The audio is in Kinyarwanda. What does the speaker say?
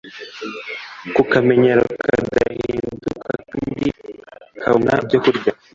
ku kamenyero kadahinduka, kandi kikabona ibyokurya